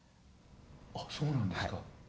あそうなんですか？